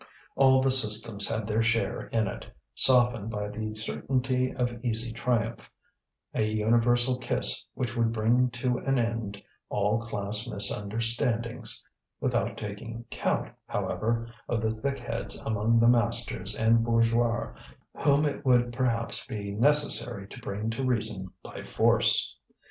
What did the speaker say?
All the systems had their share in it, softened by the certainty of easy triumph, a universal kiss which would bring to an end all class misunderstandings; without taking count, however, of the thick heads among the masters and bourgeois whom it would perhaps be necessary to bring to reason by force.